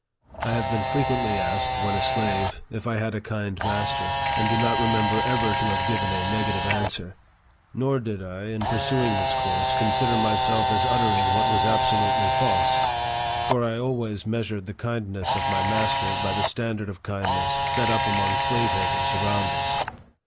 I have been fre quently asked, when a slave, if I had a kind master, and do not remember ever to have given a negative answer ;. nor did I, in pursuing this course, consider myself as uttering what was absolutely false ; for I always measured the kindness of my master by the standard of kindness set up among slaveholders around us.